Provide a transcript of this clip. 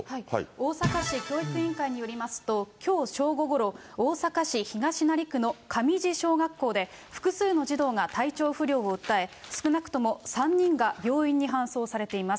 大阪市教育委員会によりますと、きょう正午ごろ、大阪市東成区のかみじ小学校で、複数の児童が体調不良を訴え、少なくとも３人が病院に搬送されています。